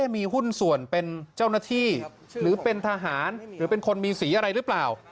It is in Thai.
มีหุ้นส่วนเป็นเจ้าหน้าที่หรือเป็นทหารหรือเป็นคนมีสีอะไรหรือเปล่า